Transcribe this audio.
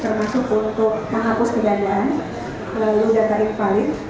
termasuk untuk menghapus kejadian melalui data invalid